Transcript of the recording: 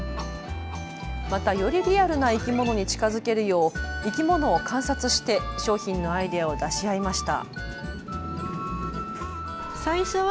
また、よりリアルな生き物に近づけるよう、生き物を観察して商品のアイデアを出し合いました。